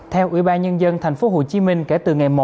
theo ủy ban nhân dân thành phố hồ chí minh kể từ ngày một